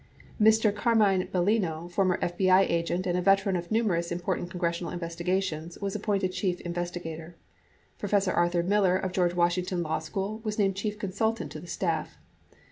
Mr. Carmine Bellino, former FBI agent and a veteran of numerous important congressional investigations, was appointed chief investi gator. Professor Arthur Miller of George Washington Law School was named chief consultant to the staff.